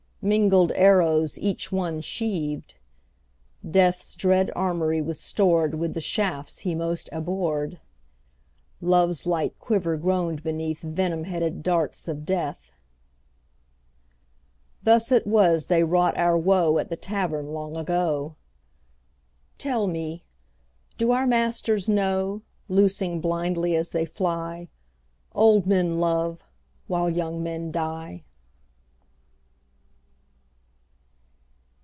Mingled arrows each one sheaved; Death's dread armoury was stored With the shafts he most abhorred; Love's light quiver groaned beneath Venom headed darts of Death. Thus it was they wrought our woe At the Tavern long ago. Tell me, do our masters know, Loosing blindly as they fly, Old men love while young men die?